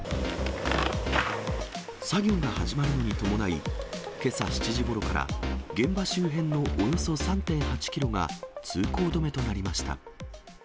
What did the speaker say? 作業が始まるのに伴い、けさ７時ごろから、現場周辺のおよそ３．８キロが通行止めとなりました。